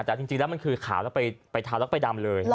แต่จริงแล้วมันคือขาวแล้วไปทาแล้วไปดำเลย